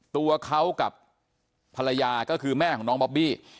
ตัวเขากับภรรยาก็คือแม่ของน้องบอบบี้